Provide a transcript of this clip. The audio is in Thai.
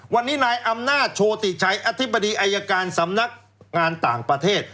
วันนี้นายอำนาจโชติชัยอธิบดีอายการสำนักงานต่างประเทศ